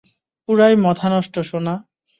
পুরাই মাথা নষ্ট, সোনা।